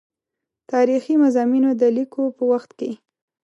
تاریخي مضامینو د لیکلو په وخت کې.